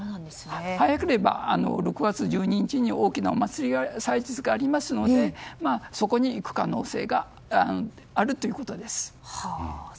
早ければ６月１２日に大きなお祭りの祭日がありますのでそこにいく可能性があると。